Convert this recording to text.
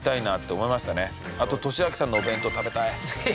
あととしあきさんのお弁当食べたい。